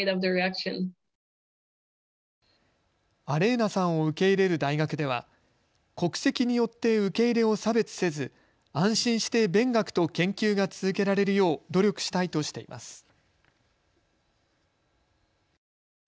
アレーナさんを受け入れる大学では国籍によって受け入れを差別せず安心して勉学と研究が続けられるよう努力したいとしています。